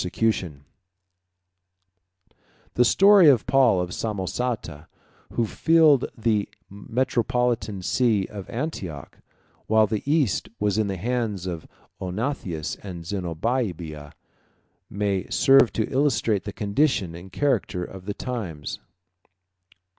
] The story of Paul of Samosata, who filled the metropolitan see of Antioch, while the East was in the hands of Odenathus and Zenobia, may serve to illustrate the condition and character of the times.